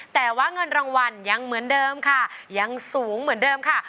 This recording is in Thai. แต่ว่าเงินรางวัลยังเหมือนเดิมค่ะยังสูงเหมือนเดิมค่ะ